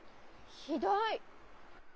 ひどい！